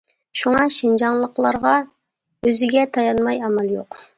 شۇڭا شىنجاڭلىقلارغا ئۆزىگە تايانماي ئامال يوق.